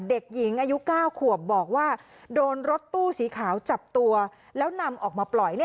เด็กหญิงอายุ๙ขวบบอกว่าโดนรถตู้สีขาวจับตัวแล้วนำออกมาปล่อย